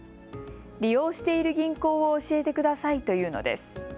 利用している銀行を教えてくださいと言うのです。